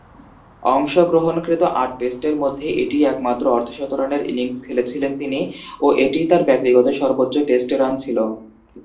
অংশগ্রহণকৃত আট টেস্টের মধ্যে এটিই একমাত্র অর্ধ-শতরানের ইনিংস খেলেছিলেন তিনি ও এটিই তার ব্যক্তিগত সর্বোচ্চ টেস্ট রান ছিল।